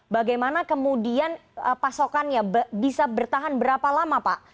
bagaimana kemudian pasokannya bisa bertahan berapa lama pak